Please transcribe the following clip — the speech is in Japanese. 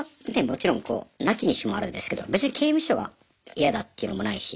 もちろんなきにしもあらずですけど別に刑務所がやだっていうのもないし。